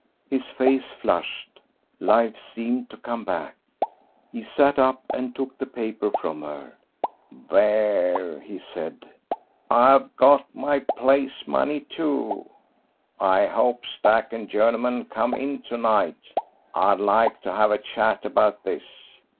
His face flushed, life seemed to come back. He sat up and took the paper from her. "There," he said, "I've got my place money, too. I hope Stack and Journeyman come in tonight. I'd like to have a chat about this.